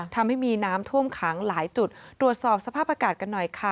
ทำให้มีน้ำท่วมขังหลายจุดตรวจสอบสภาพอากาศกันหน่อยค่ะ